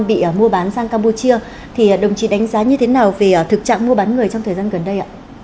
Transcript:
bị mua bán sang campuchia thì đồng chí đánh giá như thế nào về thực trạng mua bán người trong thời gian gần đây ạ